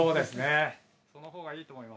そのほうがいいと思います。